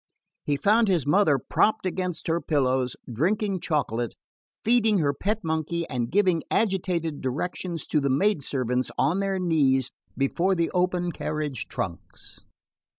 He found his mother propped against her pillows, drinking chocolate, feeding her pet monkey and giving agitated directions to the maidservants on their knees before the open carriage trunks.